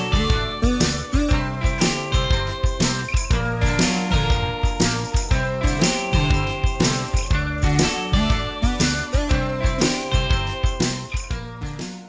สวัสดีครับ